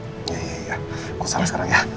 iya iya iya aku salah sekarang ya